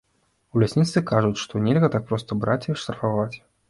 У лясніцтве кажуць, што нельга так проста браць і штрафаваць.